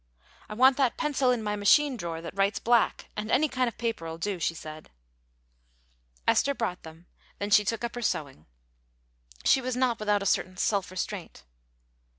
"I want that pencil in my machine drawer, that writes black, and any kind of paper'll do," she said. Esther brought them; then she took up her sewing. She was not without a certain self restraint.